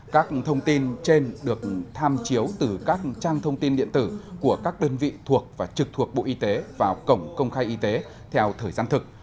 các thông tin trên được tham chiếu từ các trang thông tin điện tử của các đơn vị thuộc và trực thuộc bộ y tế vào cổng công khai y tế theo thời gian thực